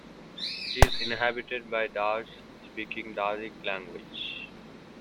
It is inhabited by Dards speaking Dardic languages.